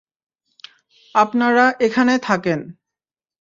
আপনারা এখানে থাকেন।